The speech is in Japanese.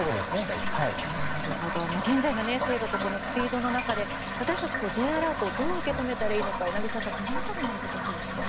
現在の精度とスピードの中で私たちはＪアラートをどう受け止めたらいいのか柳澤さんその辺りも難しいですね。